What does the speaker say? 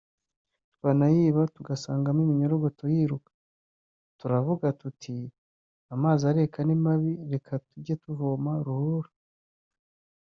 twanayiba tugasangamo iminyorogoto yiruka turavuga tuti amazi areka ni mabi reka tujye tuvoma ruhurura